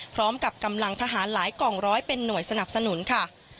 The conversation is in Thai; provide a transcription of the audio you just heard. พร้อมกับกำลังทหารหลายกองร้อยเป็นหน่วยสนับสนุนค่ะ